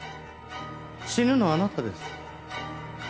死ぬのはあなたです。